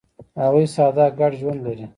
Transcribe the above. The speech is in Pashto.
هغوی ساده ګډ ژوند لري.